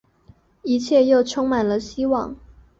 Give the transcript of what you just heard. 一切又充满了希望